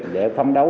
để phong đấu